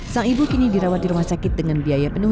sang ibu kini dirawat di rumah sakit dengan biaya penuh